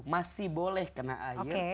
masih boleh kena air